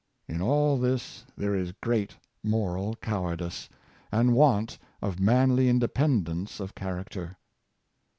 In all this there is great moral cowardice, and want of manly independence of character.